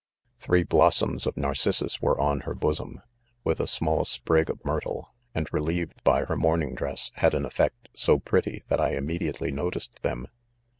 Three blossoms of narcissus were on her bosom, with a small sprig of myrtle, and re lieved by her mourning dress, had an effect so pretty that I immediately noticed them.